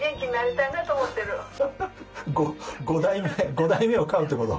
５代目を飼うってこと？